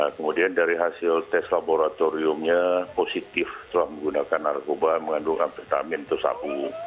kemudian dari hasil tes laboratoriumnya positif telah menggunakan narkoba mengandung amfetamin atau sabu